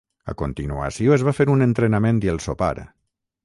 A continuació es va fer un entrenament i el sopar.